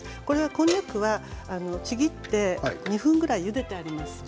こんにゃくはちぎって２分ぐらいゆでてあります。